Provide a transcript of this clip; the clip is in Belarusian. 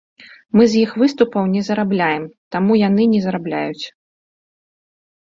Мы з іх выступаў не зарабляем, таму і яны не зарабляюць.